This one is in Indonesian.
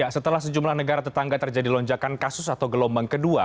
setelah sejumlah negara tetangga terjadi lonjakan kasus atau gelombang kedua